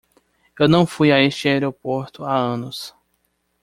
Eu não fui a este aeroporto há anos.